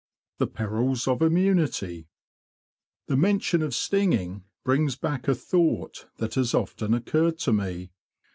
The Perils of '' Immunity " The mention of stinging brings back a thought that has often occurred to me.